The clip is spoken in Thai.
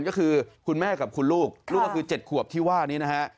ก็คือคุณแม่กับคุณลูกลูกก็คือ๗ขวบที่ว่านี้นะฮะ